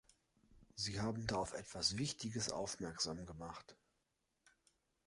Sie haben da auf etwas Wichtiges aufmerksam gemacht.